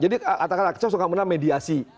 jadi atas kata kecewa suka menggunakan mediasi